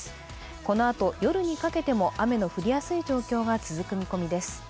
このあと夜にかけても雨の降りやすい状況が続く見込みです。